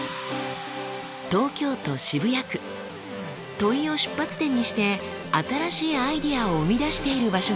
問いを出発点にして新しいアイデアを生み出している場所があります。